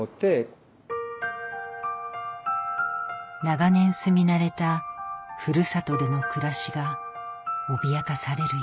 長年住み慣れたふるさとでの暮らしが脅かされる